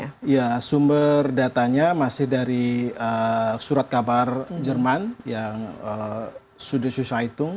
masih jadi ya sumber datanya masih dari surat kabar jerman yang sudersuchitung